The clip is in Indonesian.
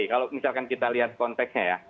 kalau misalkan kita lihat konteksnya ya